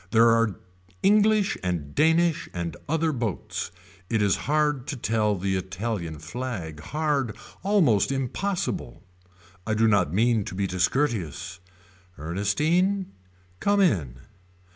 There are English and Danish and other boats. It is hard to tell the Italian flag. Hard almost impossible. I do not mean to be discourteous. Ernestine. Come in.